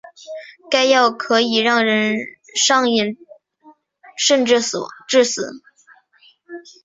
该药可能让人上瘾甚至致死。